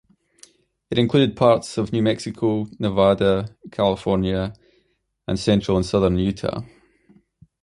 It included parts of New Mexico, Nevada, California and central and southern Utah.